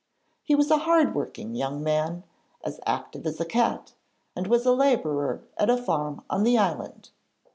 He was a hard working young man, as active as a cat, and was a labourer at a farm on the island.